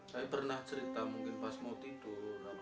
saya pernah cerita mungkin pas mau tidur